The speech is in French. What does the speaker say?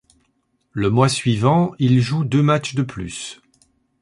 Le mois suivant, il joue deux matches de plus.